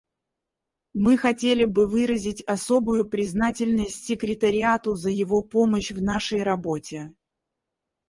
Мы хотели бы выразить особую признательность Секретариату за его помощь в нашей работе.